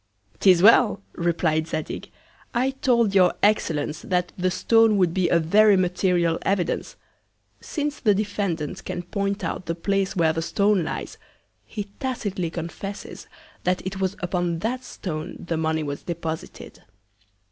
'Tis well! replied Zadig. I told your Excellence that the Stone would be a very material Evidence. Since the Defendant can point out the Place where the Stone lies, he tacitly confesses, that it was upon that Stone the Money was deposited.